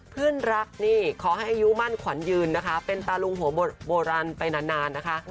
เพื่อนรักนี่ขอให้อายุมั่นขวัญยืนนะคะเป็นตาลุงหัวโบราณไปนานนะคะ